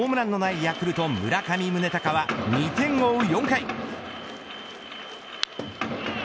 敵地４連戦でホームランのないヤクルト、村上宗隆は２点を追う